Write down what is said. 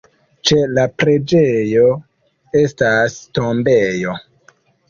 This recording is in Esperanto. Ĉe la preĝejo estas tombejo.